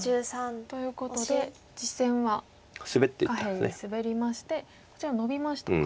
ということで実戦は下辺にスベりましてこちらノビましたか。